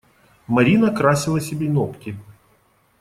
Марина красила себе ногти.